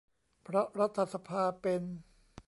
เพราะรัฐสภาเป็น